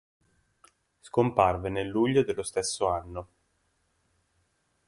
Scomparve nel luglio dello stesso anno.